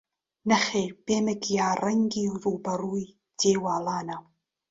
نەخێر بێمە گیاڕەنگی ڕووبەڕووی دیواڵانە